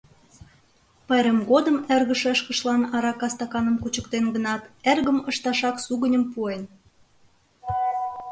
Пайрем годым эрге-шешкыштлан арака стаканым кучыктен гынат, эргым ышташак сугыньым пуэн.